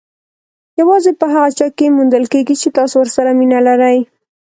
یوازې په هغه چا کې موندل کېږي چې تاسو ورسره مینه لرئ.